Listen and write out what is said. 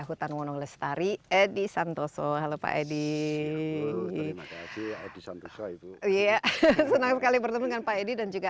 hutan wonolestari edi santoso halo pak edi santoso itu iya senang sekali bertemu dengan pak edi dan juga